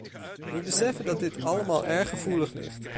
We beseffen dat dit allemaal erg gevoelig ligt.